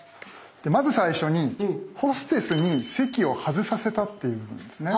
まず最初にホステスに席を外させたっていうんですね。